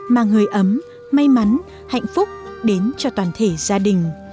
mang hơi ấm may mắn hạnh phúc đến cho toàn thể gia đình